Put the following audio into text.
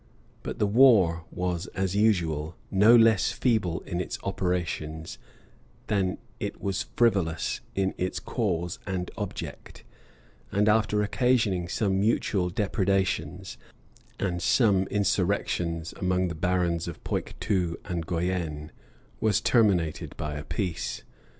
Bur the war was, as usual, no less feeble in its operations than it wail frivolous in its cause and object; and after occasioning some mutual depredations,[*] and some insurrections among the barons of Poictou and Guienne, was terminated by a peace.